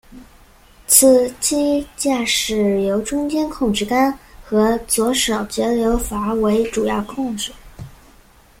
此机驾驶由中间控制杆和左手节流阀为主要控制。